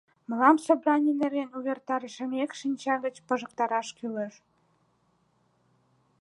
Мылам собраний нерген увертарымашым еҥ шинча гыч пыжактараш кӱлеш!